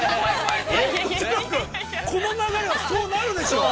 ◆この流れはそうなるでしょう！